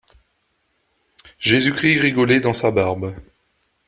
Jésus-Christ rigolait dans sa barbe.